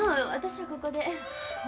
私はここで。